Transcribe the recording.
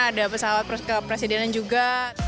ada pesawat kepresidenan juga